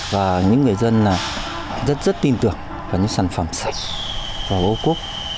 và những người dân rất tin tưởng vào những sản phẩm sạch và ô khúc